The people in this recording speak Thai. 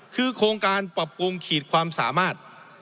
คือโครงการปรับปรุงขีดความสามารถ